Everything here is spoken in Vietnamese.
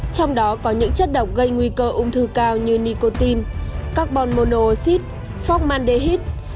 trong đó có những chất độc gây nguy cơ ung thư cao như nicotine carbon monoxide phogmandehyde